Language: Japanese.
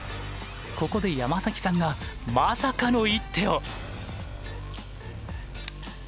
ここで山崎さんがまさかの一手を。